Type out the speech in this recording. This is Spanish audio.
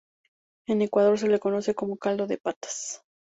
En Ecuador se lo conoce como caldo de patas.